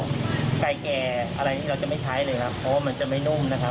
ไก่แก่อะไรที่เราจะไม่ใช้เลยครับ